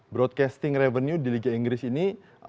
broadcasting revenue di liga inggris ini